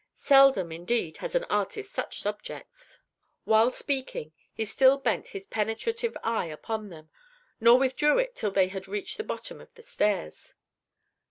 Seldom, indeed, has an artist such subjects." While speaking, he still bent his penetrative eye upon them, nor withdrew it till they had reached the bottom of the stairs.